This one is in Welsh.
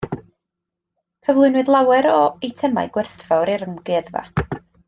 Cyflwynwyd llawer o eitemau gwerthfawr i'r amgueddfa.